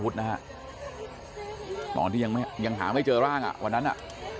ตอนที่ยังหาไม่เจอร่างอ่ะวันนั้นอ่ะ